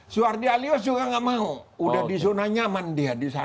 suhardi alias juga nggak mau udah di zona nyaman dia di sana